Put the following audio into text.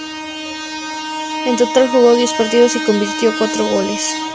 En total jugó diez partidos y convirtió cuatro goles.